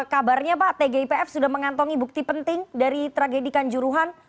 kabarnya pak tgipf sudah mengantongi bukti penting dari tragedi kanjuruhan